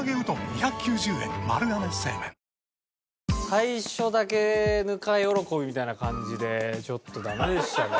最初だけぬか喜びみたいな感じでちょっとダメでしたね。